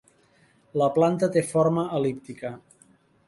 La planta té forma el·líptica.